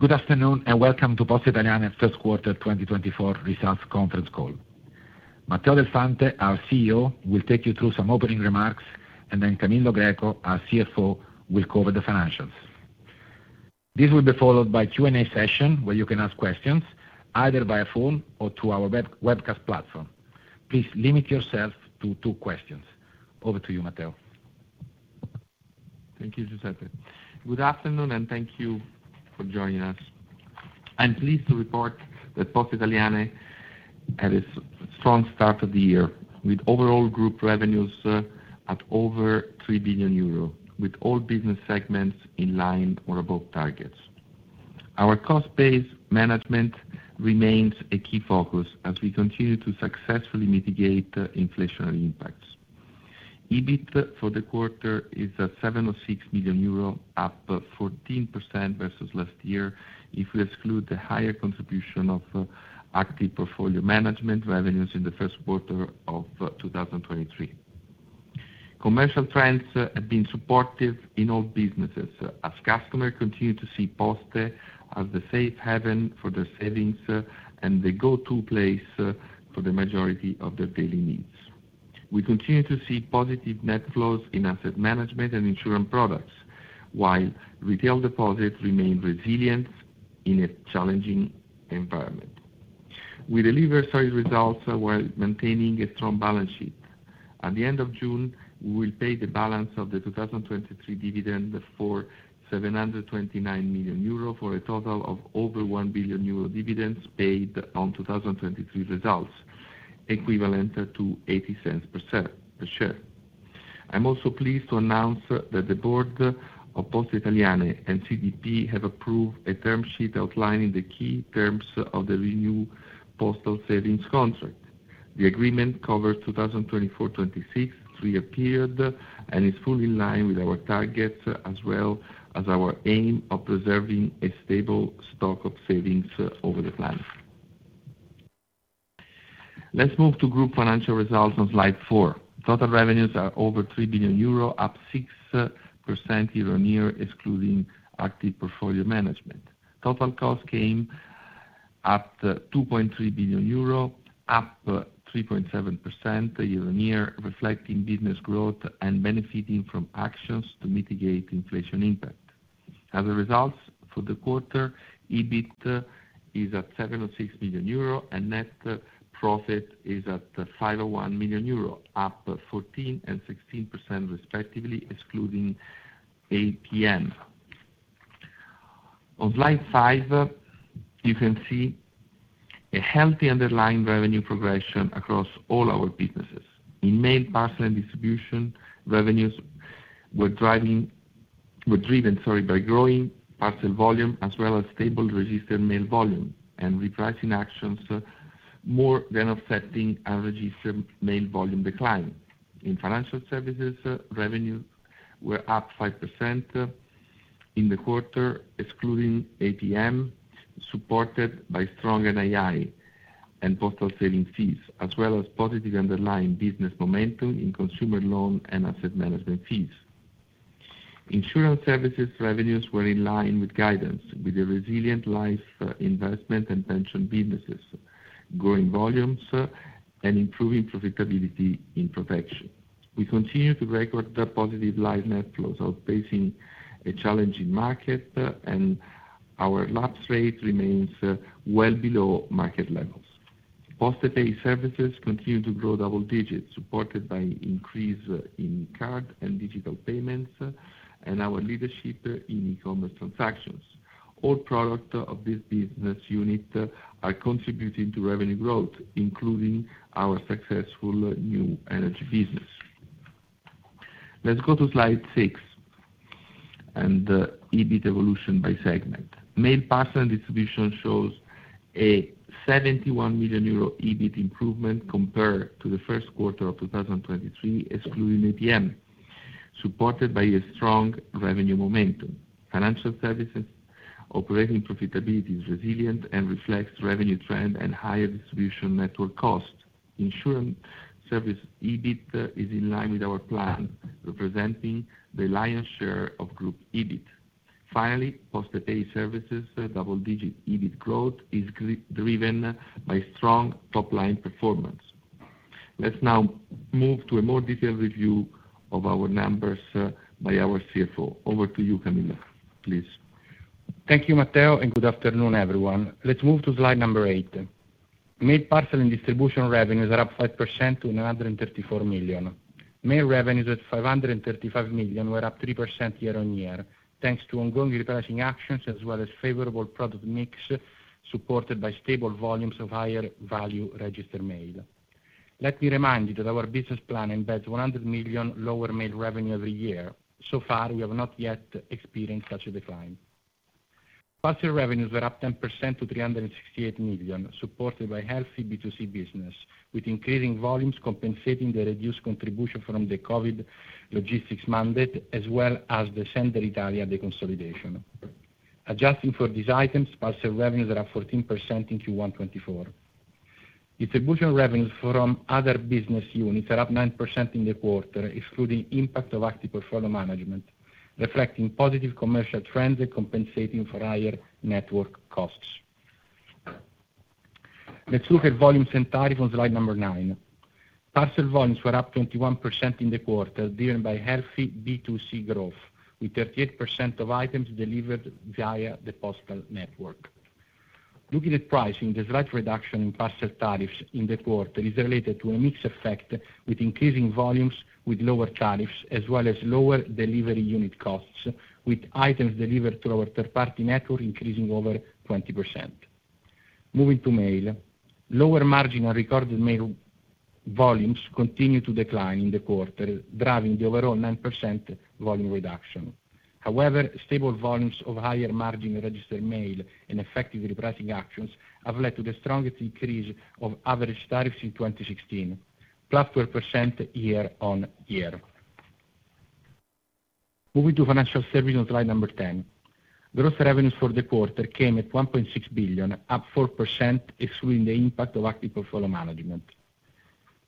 Good afternoon, and welcome to Poste Italiane first quarter 2024 results conference call. Matteo Del Fante, our CEO, will take you through some opening remarks, and then Camillo Greco, our CFO, will cover the financials. This will be followed by Q&A session, where you can ask questions either via phone or to our webcast platform. Please limit yourself to two questions. Over to you, Matteo. Thank you, Giuseppe. Good afternoon, and thank you for joining us. I'm pleased to report that Poste Italiane had a strong start of the year, with overall group revenues at over 3 billion euro, with all business segments in line or above targets. Our cost base management remains a key focus as we continue to successfully mitigate inflationary impacts. EBIT for the quarter is at 706 million euro, up 14% versus last year, if we exclude the higher contribution of Active Portfolio Management revenues in the first quarter of 2023. Commercial trends have been supportive in all businesses, as customers continue to see Poste as the safe haven for their savings, and the go-to place for the majority of their daily needs. We continue to see positive net flows in asset management and insurance products, while retail deposits remain resilient in a challenging environment. We deliver solid results while maintaining a strong balance sheet. At the end of June, we will pay the balance of the 2023 dividend for 729 million euro, for a total of over 1 billion euro dividends paid on 2023 results, equivalent to 0.80 per share, per share. I'm also pleased to announce that the Board of Poste Italiane and CDP have approved a term sheet outlining the key terms of the renewed Postal Savings contract. The agreement covers 2024-2026 three-year period, and is fully in line with our targets, as well as our aim of preserving a stable stock of savings over the plan. Let's move to group financial results on slide four. Total revenues are over 3 billion euro, up 6% year-on-year, excluding Active Portfolio Management. Total cost came up EUR 2.3 billion, up 3.7% year-on-year, reflecting business growth and benefiting from actions to mitigate inflation impact. As a result, for the quarter, EBIT is at 76 million euro, and net profit is at 51 million euro, up 14% and 16% respectively, excluding APM. On slide five, you can see a healthy underlying revenue progression across all our businesses. In Mail, Parcels and Distribution, revenues were driving. Were driven, sorry, by growing parcel volume, as well as stable Registered Mail volume and repricing actions, more than offsetting a Registered Mail volume decline. In Financial Services, revenues were up 5% in the quarter, excluding APM, supported by strong NII and Postal Saving fees, as well as positive underlying business momentum in consumer loan and asset management fees. Insurance services revenues were in line with guidance, with a resilient Life investment and pension businesses, growing volumes, and improving profitability in Protection. We continue to record positive Life net flows, outpacing a challenging market, and our lapse rate remains well below market levels. PostePay services continue to grow double digits, supported by increase in card and digital payments, and our leadership in e-commerce transactions. All products of this business unit are contributing to revenue growth, including our successful new energy business. Let's go to slide six, and EBIT evolution by segment. Mail, Parcels and Distribution shows a 71 million euro EBIT improvement compared to the first quarter of 2023, excluding APM, supported by a strong revenue momentum. Financial Services, operating profitability is resilient and reflects revenue trend and higher distribution network cost. Insurance Services EBIT is in line with our plan, representing the lion's share of group EBIT. Finally, PostePay Services, double-digit EBIT growth is driven by strong top-line performance. Let's now move to a more detailed review of our numbers, by our CFO. Over to you, Camillo, please. Thank you, Matteo, and good afternoon, everyone. Let's move to slide number eight. Mail, Parcel, and Distribution revenues are up 5% to 934 million. Mail revenues at 535 million were up 3% year-on-year, thanks to ongoing repricing actions as well as favorable product mix, supported by stable volumes of higher value Registered Mail. Let me remind you that our business plan embeds 100 million lower mail revenue every year. So far, we have not yet experienced such a decline. Parcel revenues were up 10% to 368 million, supported by healthy B2C business, with increasing volumes compensating the reduced contribution from the COVID logistics mandate, as well as the Sennder Italia deconsolidation. Adjusting for these items, parcel revenues are up 14% in Q1 2024. Distribution revenues from other business units are up 9% in the quarter, excluding impact of Active Portfolio Management, reflecting positive commercial trends and compensating for higher network costs. Let's look at volumes and tariffs on slide number nine. Parcel volumes were up 21% in the quarter, driven by healthy B2C growth, with 38% of items delivered via the postal network. Looking at pricing, the slight reduction in parcel tariffs in the quarter is related to a mix effect with increasing volumes, with lower tariffs, as well as lower delivery unit costs, with items delivered through our third-party network increasing over 20%. Moving to Mail, lower margin on Registered Mail volumes continued to decline in the quarter, driving the overall 9% volume reduction. However, stable volumes of higher margin Registered Mail and effective repricing actions have led to the strongest increase of average tariffs in 2016, +12% year-on-year. Moving to Financial Services on slide 10. Gross revenues for the quarter came at 1.6 billion, up 4%, excluding the impact of Active Portfolio Management.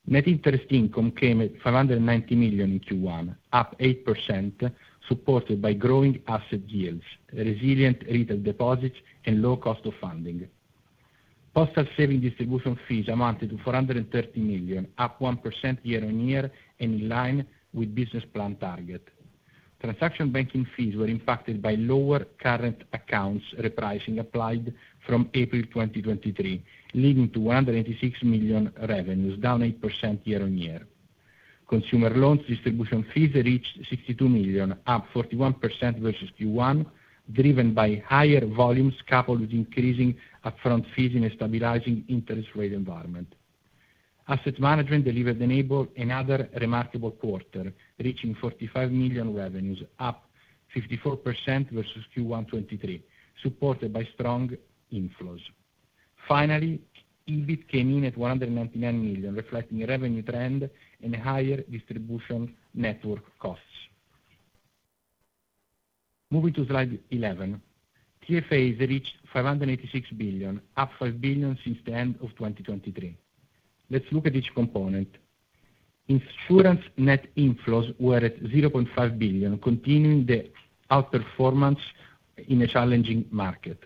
Net interest income came at 590 million in Q1, up 8%, supported by growing asset yields, resilient retail deposits, and low cost of funding. Postal Savings distribution fees amounted to 430 million, up 1% year-on-year and in line with business plan target. Transaction banking fees were impacted by lower current accounts repricing applied from April 2023, leading to 186 million revenues, down 8% year-on-year. Consumer loans distribution fees reached 62 million, up 41% versus Q1, driven by higher volumes coupled with increasing upfront fees in a stabilizing interest rate environment. Asset management delivered another remarkable quarter, reaching 45 million revenues, up 54% versus Q1 2023, supported by strong inflows. Finally, EBIT came in at 199 million, reflecting a revenue trend and higher distribution network costs. Moving to slide 11. TFAs reached 586 billion, up 5 billion since the end of 2023. Let's look at each component. Insurance net inflows were at 0.5 billion, continuing the outperformance in a challenging market.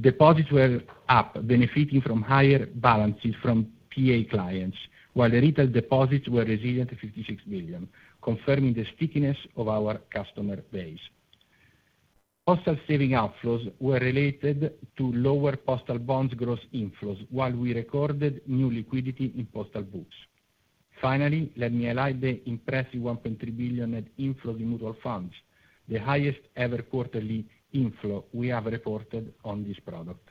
Deposits were up, benefiting from higher balances from PA clients, while the retail deposits were resilient at 56 billion, confirming the stickiness of our customer base. Postal Savings outflows were related to lower Postal Bonds gross inflows, while we recorded new liquidity in Postal Books. Finally, let me highlight the impressive 1.3 billion net inflows in Mutual Funds, the highest ever quarterly inflow we have reported on this product.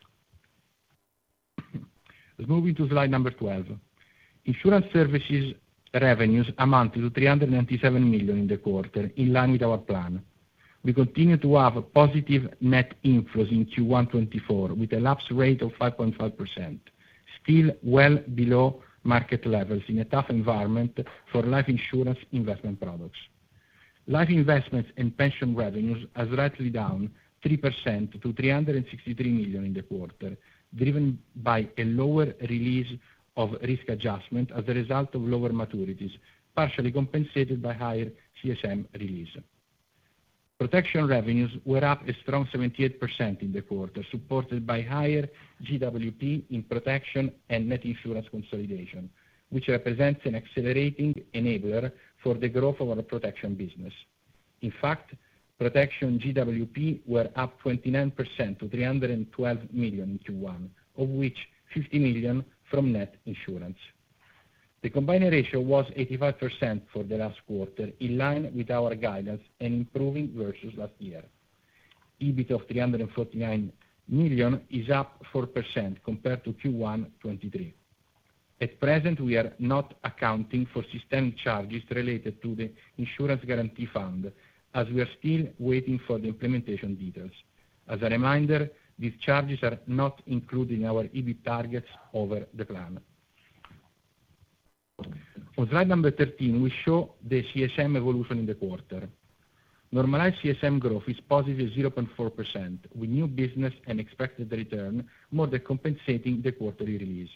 Let's move into slide number 12. Insurance Services revenues amounted to 397 million in the quarter, in line with our plan. We continue to have positive net inflows in Q1 2024, with a lapse rate of 5.5%, still well below market levels in a tough environment for Life insurance investment products. Life investments and pension revenues are slightly down 3% to 363 million in the quarter, driven by a lower release of risk adjustment as a result of lower maturities, partially compensated by higher CSM release. Protection revenues were up a strong 78% in the quarter, supported by higher GWP in Protection and Net Insurance consolidation, which represents an accelerating enabler for the growth of our Protection business. In fact, Protection GWP were up 29% to 312 million in Q1, of which 50 million from Net Insurance. The combined ratio was 85% for the last quarter, in line with our guidance and improving versus last year. EBIT of 349 million is up 4% compared to Q1 2023. At present, we are not accounting for systemic charges related to the insurance guarantee fund, as we are still waiting for the implementation details. As a reminder, these charges are not included in our EBIT targets over the plan. On slide number 13, we show the CSM evolution in the quarter. Normalized CSM growth is +0.4%, with new business and expected return more than compensating the quarterly release.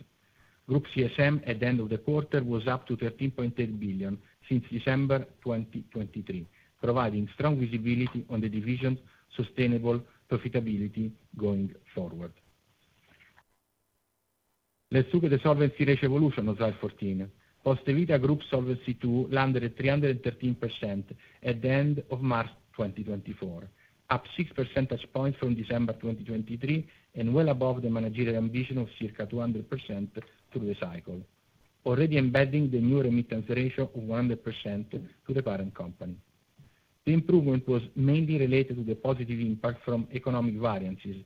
Group CSM at the end of the quarter was up to 13.8 billion since December 2023, providing strong visibility on the division's sustainable profitability going forward. Let's look at the solvency ratio evolution on slide 14. Poste Vita Group Solvency II landed at 313% at the end of March 2024, up 6 percentage points from December 2023, and well above the managerial ambition of circa 200% through the cycle, already embedding the new remittance ratio of 100% to the parent company. The improvement was mainly related to the positive impact from economic variances,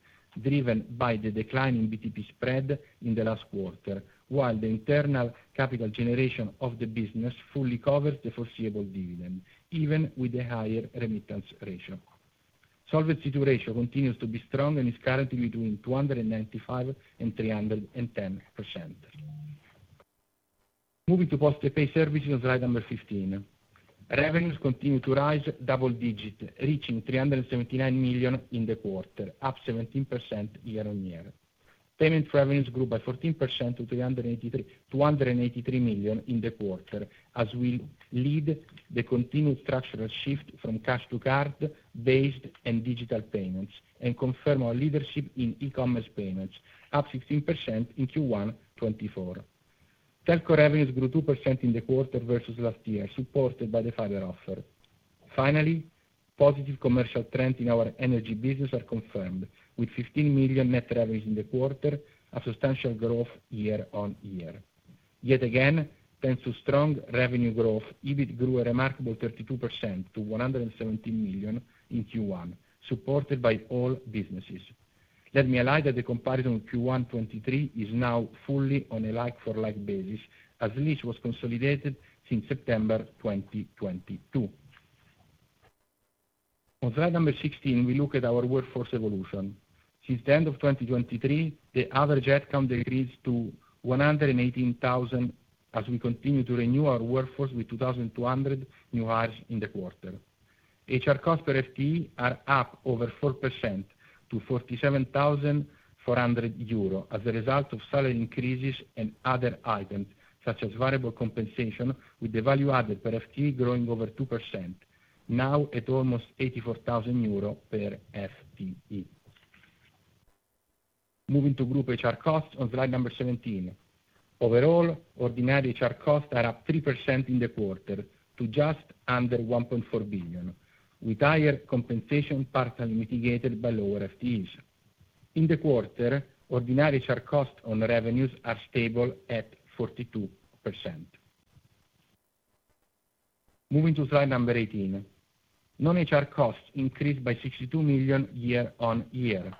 driven by the declining BTP spread in the last quarter, while the internal capital generation of the business fully covers the foreseeable dividend, even with the higher remittance ratio. Solvency II ratio continues to be strong and is currently between 295% and 310%. Moving to PostePay Services on slide 15. Revenues continue to rise double digits, reaching 379 million in the quarter, up 17% year-on-year. Payment revenues grew by 14% to 283 million in the quarter, as we lead the continued structural shift from cash to card-based and digital payments, and confirm our leadership in e-commerce payments, up 15% in Q1 2024. Telco revenues grew 2% in the quarter versus last year, supported by the fiber offer. Finally, positive commercial trends in our energy business are confirmed, with 15 million net revenues in the quarter, a substantial growth year-on-year. Yet again, thanks to strong revenue growth, EBIT grew a remarkable 32% to 170 million in Q1, supported by all businesses. Let me highlight that the comparison Q1 2023 is now fully on a like-for-like basis, as LIS was consolidated since September 2022. On slide number 16, we look at our workforce evolution. Since the end of 2023, the average headcount decrease to 118,000, as we continue to renew our workforce with 2,200 new hires in the quarter. HR cost per FTE are up over 4% to 47,400 euro as a result of salary increases and other items, such as variable compensation, with the value added per FTE growing over 2%, now at almost 84,000 euro per FTE. Moving to group HR costs on slide number 17. Overall, ordinary HR costs are up 3% in the quarter to just under 1.4 billion, with higher compensation partly mitigated by lower FTEs. In the quarter, ordinary HR costs on revenues are stable at 42%. Moving to slide number 18. Non-HR costs increased by 62 million year-on-year.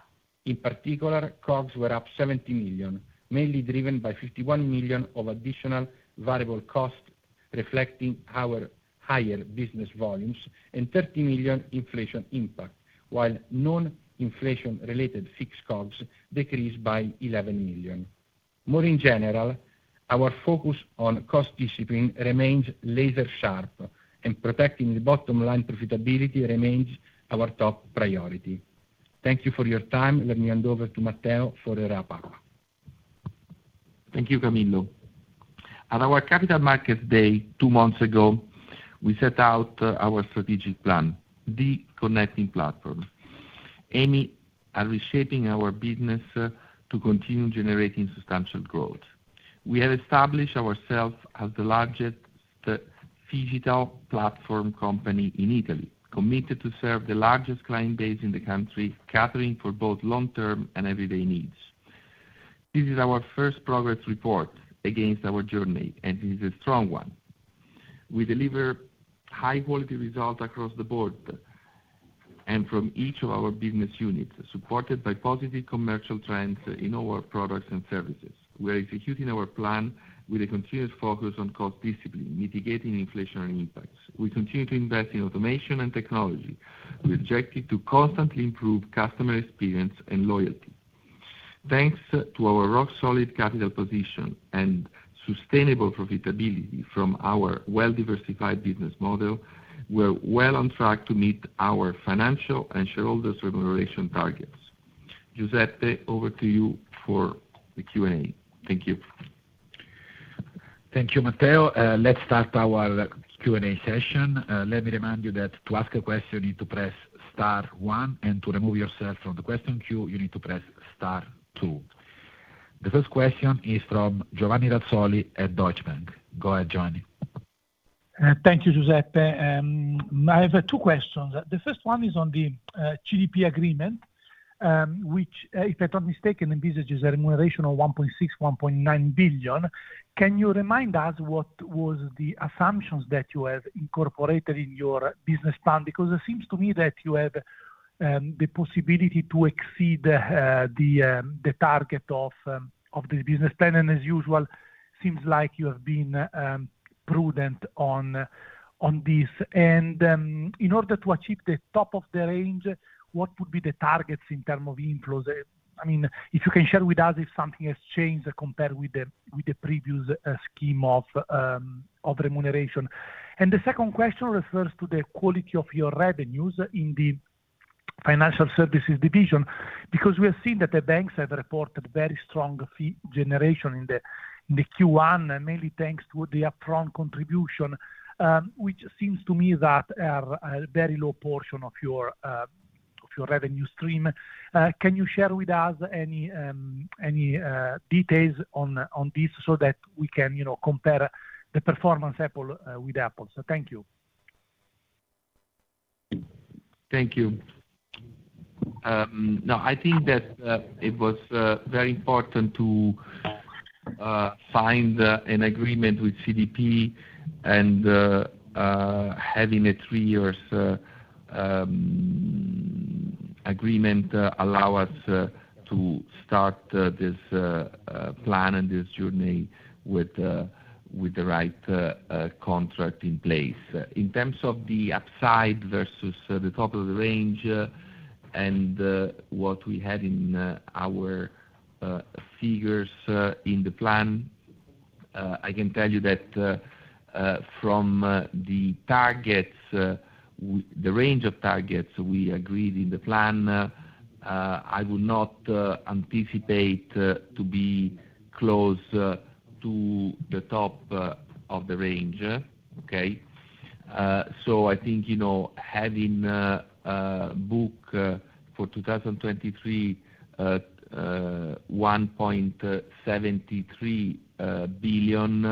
In particular, costs were up 70 million, mainly driven by 51 million of additional variable costs, reflecting our higher business volumes and 30 million inflation impact, while non-inflation related fixed costs decreased by 11 million. More in general, our focus on cost discipline remains laser sharp, and protecting the bottom line profitability remains our top priority. Thank you for your time. Let me hand over to Matteo for a wrap-up. Thank you, Camillo. At our Capital Markets Day, two months ago, we set out our strategic plan, the Connecting Platform, aiming at reshaping our business to continue generating substantial growth. We have established ourselves as the largest phygital platform company in Italy, committed to serve the largest client base in the country, catering for both long-term and everyday needs. This is our first progress report against our journey, and it is a strong one. We deliver high quality results across the board and from each of our business units, supported by positive commercial trends in our products and services. We are executing our plan with a continuous focus on cost discipline, mitigating inflationary impacts. We continue to invest in automation and technology with objective to constantly improve customer experience and loyalty. Thanks to our rock-solid capital position and sustainable profitability from our well-diversified business model, we're well on track to meet our financial and shareholders remuneration targets. Giuseppe, over to you for the Q&A. Thank you. Thank you, Matteo. Let's start our Q&A session. Let me remind you that to ask a question, you need to press star one, and to remove yourself from the question queue, you need to press star two. The first question is from Giovanni Razzoli at Deutsche Bank. Go ahead, Giovanni. Thank you, Giuseppe. I have two questions. The first one is on the CDP agreement, which, if I'm not mistaken, envisages a remuneration of 1.6 billion-1.9 billion. Can you remind us what was the assumptions that you have incorporated in your business plan? Because it seems to me that you have the possibility to exceed the target of this business plan. And as usual, seems like you have been prudent on this. And in order to achieve the top of the range, what would be the targets in term of inflows? I mean, if you can share with us if something has changed compared with the previous scheme of remuneration. The second question refers to the quality of your revenues in the Financial Services division, because we have seen that the banks have reported very strong fee generation in the Q1, mainly thanks to the upfront contribution, which seems to me that are a very low portion of your revenue stream. Can you share with us any details on this so that we can, you know, compare the performance apples to apples? Thank you. Thank you. No, I think that it was very important to find an agreement with CDP and having a three-year agreement allow us to start this plan and this journey with the right contract in place. In terms of the upside versus the top of the range and what we had in our figures in the plan, I can tell you that from the targets the range of targets we agreed in the plan, I would not anticipate to be close to the top of the range. Okay? So I think, you know, having a book for 2023, at 1.73 billion,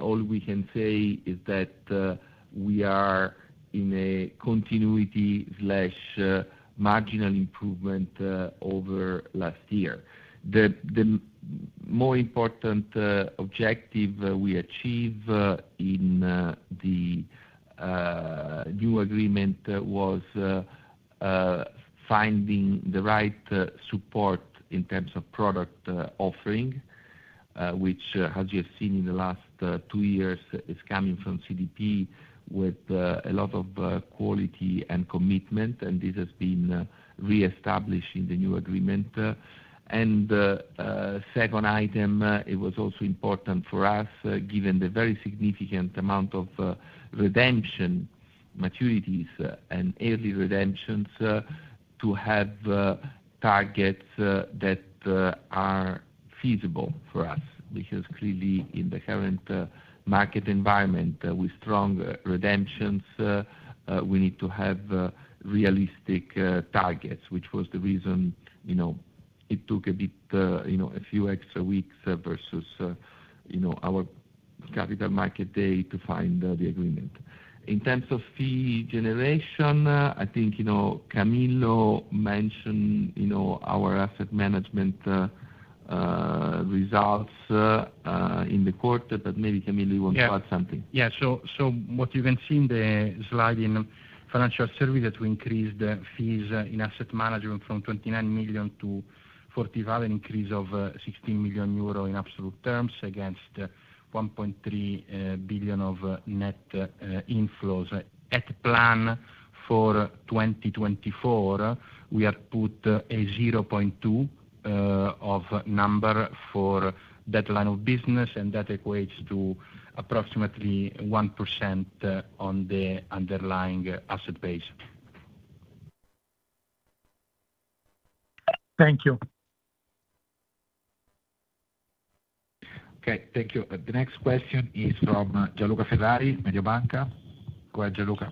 all we can say is that we are in a continuity/marginal improvement over last year. The more important objective we achieve in the new agreement was finding the right support in terms of product offering, which, as you have seen in the last two years, is coming from CDP with a lot of quality and commitment, and this has been reestablished in the new agreement. And second item, it was also important for us, given the very significant amount of redemption maturities and early redemptions, to have targets that are feasible for us. Because clearly, in the current, market environment, with strong, redemptions, we need to have, realistic, targets, which was the reason, you know, it took a bit, you know, a few extra weeks, versus, you know, our Capital Market Day to find, the agreement. In terms of fee generation, I think, you know, Camillo mentioned, you know, our asset management, results, in the quarter, but maybe Camillo want to add something. Yeah. Yeah, so, so what you can see in the slide, in Financial Services, we increased the fees in asset management from 29 million-41 million, an increase of sixteen million euro in absolute terms, against 1.3 billion of net inflows. At plan for 2024, we have put a 0.2% of number for that line of business, and that equates to approximately 1% on the underlying asset base. Thank you. Okay, thank you. The next question is from Gian Luca Ferrari, Mediobanca. Go ahead, Gian Luca.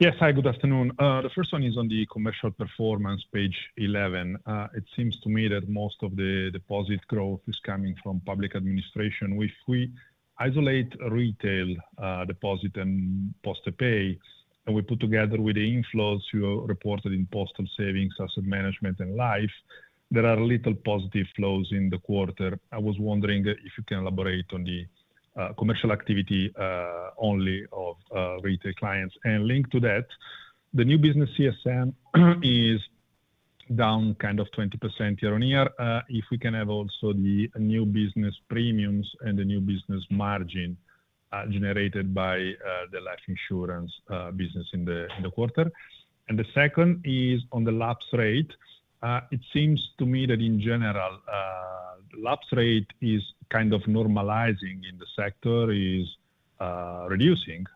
Yes. Hi, good afternoon. The first one is on the commercial performance, page 11. It seems to me that most of the deposit growth is coming from public administration. If we isolate retail, deposit and Postepay, and we put together with the inflows you reported in Postal Savings, Asset Management, and Life, there are little positive flows in the quarter. I was wondering if you can elaborate on the commercial activity only of retail clients. And linked to that, the new business CSM is down kind of 20% year-on-year. If we can have also the new business premiums and the new business margin generated by the Life Insurance business in the quarter. And the second is on the lapse rate. It seems to me that in general, lapse rate is kind of normalizing in the sector, is, reducing.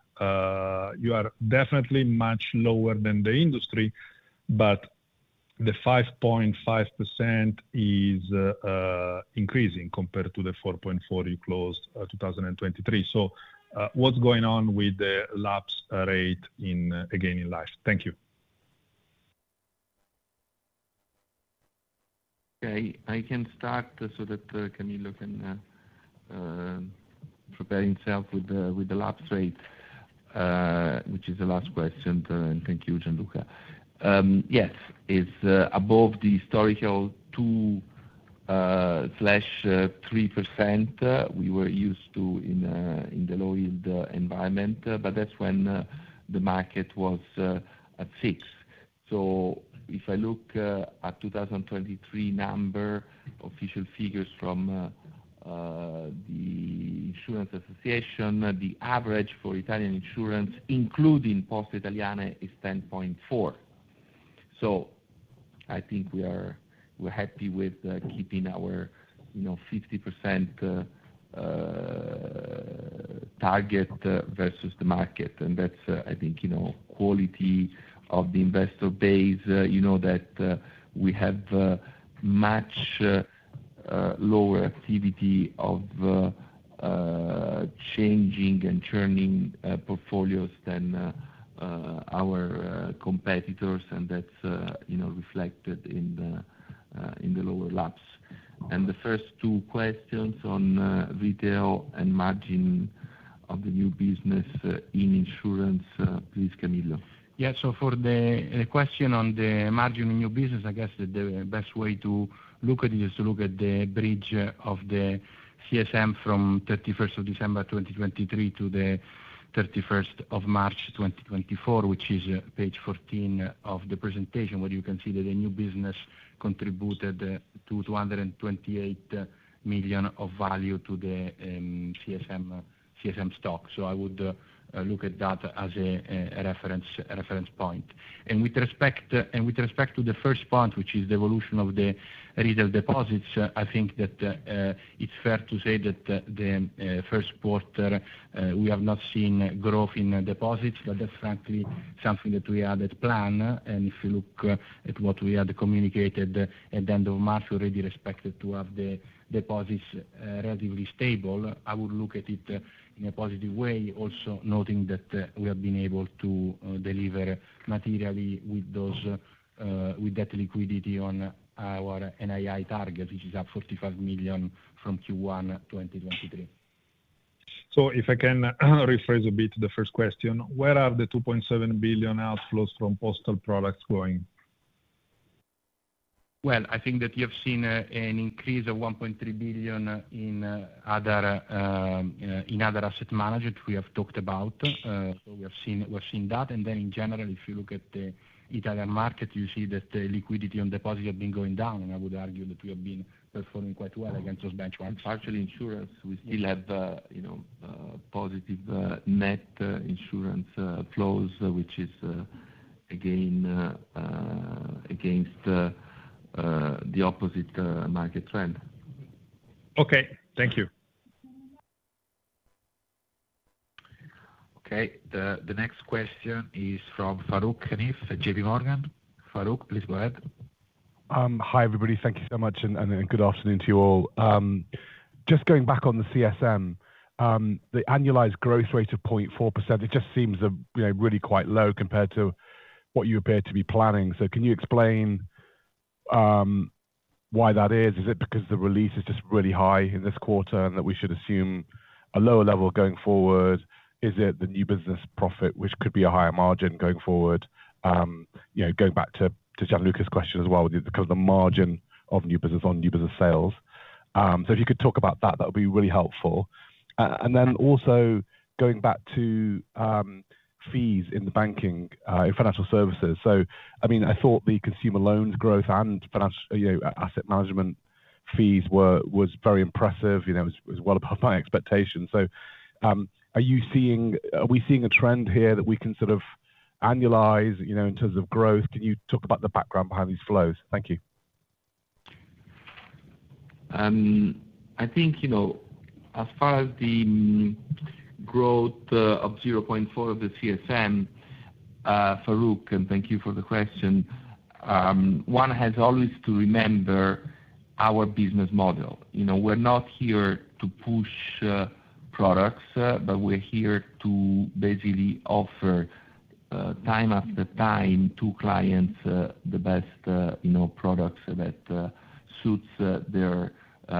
You are definitely much lower than the industry, but the 5.5% is, increasing compared to the 4.4% you closed, 2023. So, what's going on with the lapse, rate in, again, in Life? Thank you. Okay, I can start so that Camillo can prepare himself with the lapse rate, which is the last question. Thank you, Gian Luca. Yes, it's above the historical 2%-3% we were used to in the low-yield environment, but that's when the market was at 6%. So if I look at 2023 number, official figures from the insurance association, the average for Italian insurance, including Poste Italiane, is 10.4%. So I think we're happy with keeping our 50% target versus the market. And that's, I think, you know, quality of the investor base. You know that we have much lower activity of changing and churning portfolios than our competitors, and that's, you know, reflected in the lower lapse. The first two questions on retail and margin of the new business in insurance. Please, Camillo. Yeah. So for the question on the margin in new business, I guess the best way to look at it is to look at the bridge of the CSM from 31st of December 2023 to the 31st of March 2024, which is page 14 of the presentation, where you can see that the new business contributed 228 million of value to the CSM, CSM stock. So I would look at that as a reference point. And with respect to the first point, which is the evolution of the retail deposits, I think that it's fair to say that the first quarter we have not seen growth in deposits, but that's frankly something that we had at plan. And if you look at what we had communicated at the end of March, we already expected to have the deposits relatively stable. I would look at it in a positive way, also noting that we have been able to with that liquidity on our NII target, which is up 45 million from Q1 2023. If I can rephrase a bit, the first question: Where are the 2.7 billion outflows from postal products going? Well, I think that you have seen an increase of 1.3 billion in other asset management we have talked about. So we have seen, we're seeing that. And then in general, if you look at the Italian market, you see that the liquidity on deposits have been going down, and I would argue that we have been performing quite well against those benchmarks. Partially insurance, we still have, you know, positive Net Insurance flows, which is again against the opposite market trend. Okay, thank you. Okay, the next question is from Farooq Hanif, JPMorgan. Farooq, please go ahead. Hi, everybody. Thank you so much, and good afternoon to you all. Just going back on the CSM, the annualized growth rate of 0.4%, it just seems, you know, really quite low compared to what you appear to be planning. So can you explain why that is? Is it because the release is just really high in this quarter, and that we should assume a lower level going forward? Is it the new business profit, which could be a higher margin going forward? You know, going back to Gian Luca's question as well, because the margin of new business on new business sales. So if you could talk about that, that would be really helpful. And then also going back to fees in the banking, in Financial Services. I mean, I thought the consumer loans growth and financial, you know, asset management fees were, was very impressive, you know, it was well above my expectations. So, are you seeing... Are we seeing a trend here that we can sort of annualize, you know, in terms of growth? Can you talk about the background behind these flows? Thank you. I think, you know, as far as the growth of 0.4% of the CSM, Farooq, and thank you for the question. One has always to remember our business model. You know, we're not here to push products, but we're here to basically offer time after time to clients the best, you know, products that suits their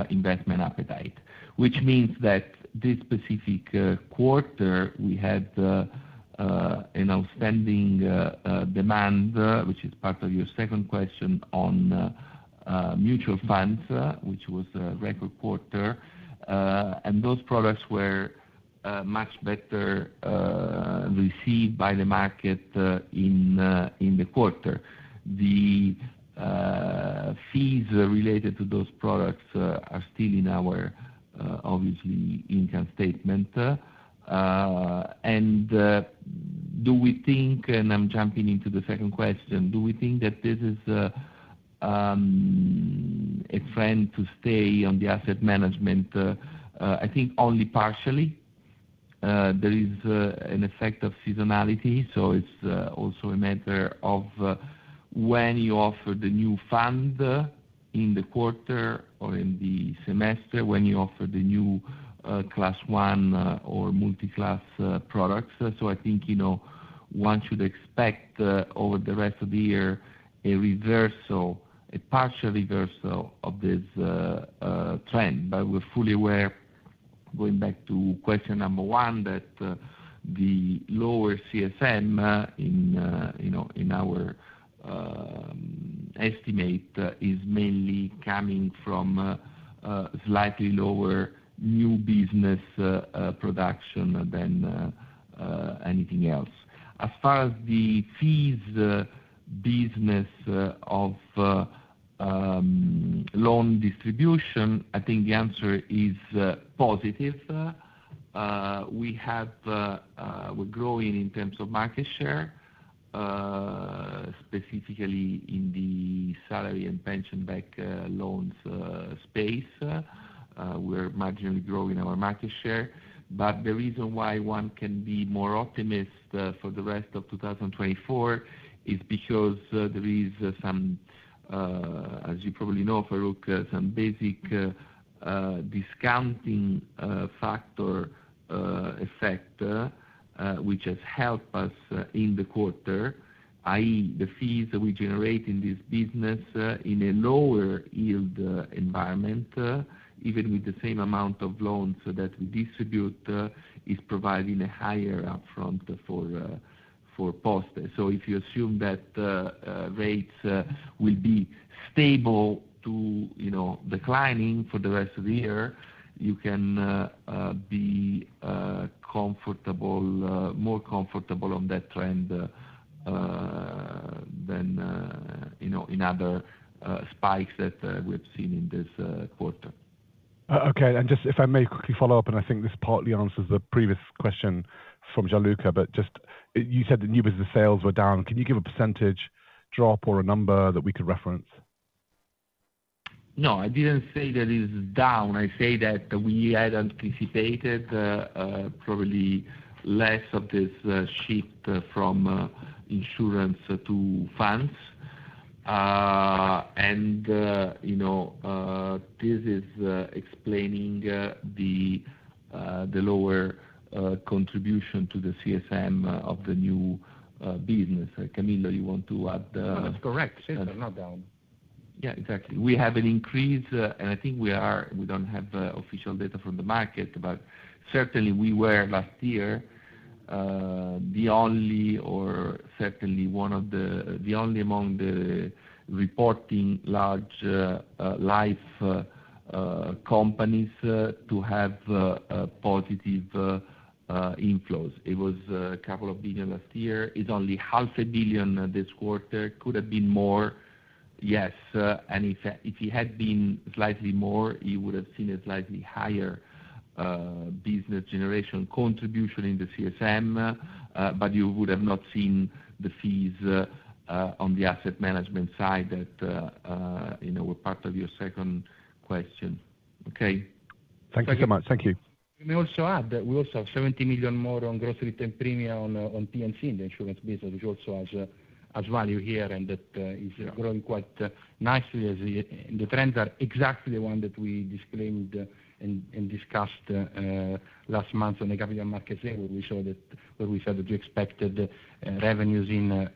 investment appetite. Which means that this specific quarter we had an outstanding demand which is part of your second question on mutual funds which was a record quarter. And those products were much better received by the market in the quarter. The fees related to those products are still in our obviously income statement. And, do we think, and I'm jumping into the second question, do we think that this is a trend to stay on the Asset Management? I think only partially. There is an effect of seasonality, so it's also a matter of when you offer the new fund in the quarter or in the semester, when you offer the new class one or multi-class products. So I think, you know, one should expect over the rest of the year, a reversal, a partial reversal of this trend. But we're fully aware, going back to question number one, that the lower CSM in, you know, in our estimate is mainly coming from a slightly lower new business production than anything else. As far as the fees business of loan distribution, I think the answer is positive. We're growing in terms of market share, specifically in the salary and pension-backed loans space. We're marginally growing our market share, but the reason why one can be more optimistic for the rest of 2024 is because there is some, as you probably know, Farooq, some basic discounting factor effect which has helped us in the quarter, i.e., the fees that we generate in this business in a lower yield environment even with the same amount of loans so that we distribute is providing a higher upfront for for post. So if you assume that rates will be stable to, you know, declining for the rest of the year, you can be more comfortable on that trend than, you know, in other spikes that we have seen in this quarter. Okay. Just if I may quickly follow up, and I think this partly answers the previous question from Gianluca, but just, you said the new business sales were down. Can you give a percentage drop or a number that we could reference? No, I didn't say that it's down. I say that we had anticipated probably less of this shift from insurance to funds. And you know, this is explaining the lower contribution to the CSM of the new business. Camillo, you want to add? No, that's correct. Shifted, not down. Yeah, exactly. We have an increase, and I think we are—we don't have official data from the market, but certainly we were, last year, the only or certainly one of the, the only among the reporting large life companies to have a positive inflows. It was a couple of billion EUR last year. It's only 0.5 billion this quarter. Could have been more, yes, and if, if it had been slightly more, you would have seen a slightly higher business generation contribution in the CSM, but you would have not seen the fees on the Asset Management side that, you know, were part of your second question. Okay? Thank you so much. Thank you. Let me also add that we also have 70 million more on gross written premium on P&C in the insurance business, which also has value here, and that is growing quite nicely, as the trends are exactly the one that we disclaimed and discussed last month on the capital markets day, where we showed that, where we said that we expected revenues in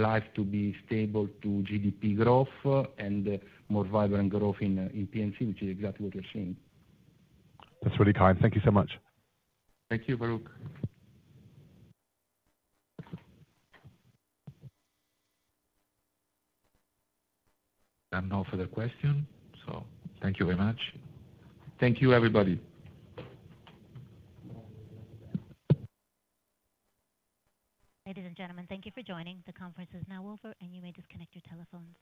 Life to be stable to GDP growth and more vibrant growth in P&C, which is exactly what we're seeing. That's really kind. Thank you so much. Thank you, Farooq. There are no further questions, so thank you very much. Thank you, everybody. Ladies and gentlemen, thank you for joining. The conference is now over, and you may disconnect your telephones.